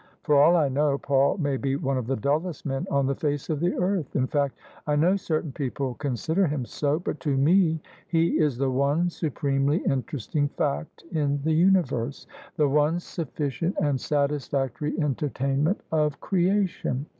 For all I know, Paul may be one of the dullest men on the face of the earth : in fact I know certain people con sider him so: but to me he is the one supremely interesting fact in the universe — ^the one sufficient and satisfactory enter tainment of creation.